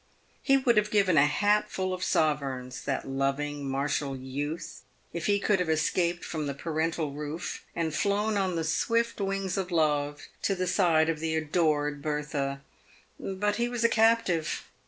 He would have given a hat full of sovereigns, that loving, martial youth, if he could have escaped from the parental roof, and flown on the swift wings of love to the side of the adored Eertha. But he was a captive.